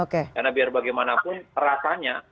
karena biar bagaimanapun rasanya